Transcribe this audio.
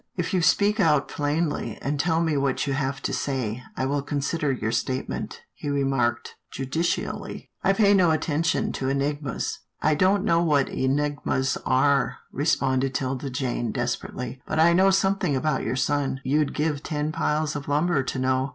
"If you speak out plainly, and tell me what you have to say, I will consider your statements," he remarked, judicially. " I pay no attention to enig mas." " I don't know what enigmas are," responded 'Tilda Jane, desperately, but I know something about your son, you'd give ten piles of lumber to know."